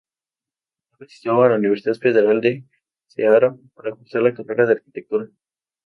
Luego asistió a la Universidad Federal de Ceará, para cursar la carrera de arquitectura.